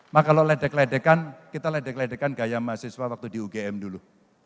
maka kalau ledek ledekan kita ledek ledekan gaya mahasiswa waktu di ugm dulu